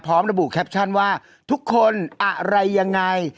พร้อมระบุแคปชั่นว่าทุกคนอะไรยังไง